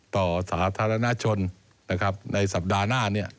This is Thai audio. สาธารณชนในสัปดาห์หน้า